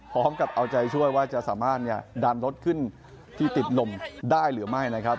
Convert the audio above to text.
พร้อมกับเอาใจช่วยว่าจะสามารถดันรถขึ้นที่ติดลมได้หรือไม่นะครับ